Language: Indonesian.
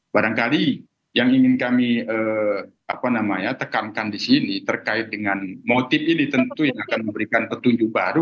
barangkali yang ingin kami tekankan di sini terkait dengan motif ini tentu yang akan memberikan petunjuk baru